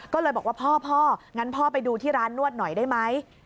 ก็เลยบอกว่าพ่องั้นพ่อไปดูที่ร้านนวดหน่อยได้ไหม